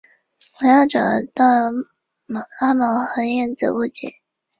文耀找到阿毛和燕子误解。